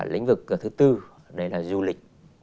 lĩnh vực thứ tư đấy là du lịch